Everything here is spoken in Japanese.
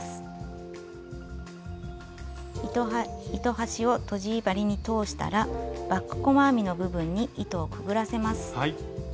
糸端をとじ針に通したらバック細編みの部分に糸をくぐらせます。